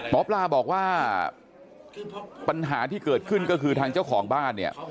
หมอปลาบอกว่าปัญหาที่เกิดขึ้นก็คือทางเจ้าของบ้านเนี่ย